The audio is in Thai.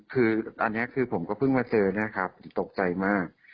คืออันนี้คือผมก็เพิ่งมาเจอนะครับตกใจมาก